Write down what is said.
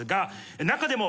中でも。